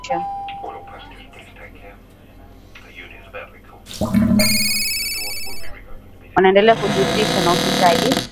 na wanaendelea kujihusisha na ufisadi wengine wakiteuliwa serikalini